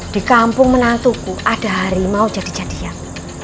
di kampung menantuku ada harimau jadi jadian